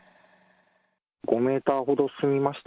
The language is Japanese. ５メーターほど進みました。